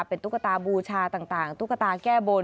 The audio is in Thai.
เป็นตุ๊กตาบูชาต่างตุ๊กตาแก้บน